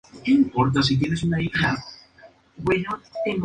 En el ramo de la agricultura, creó el respectivo Ministerio.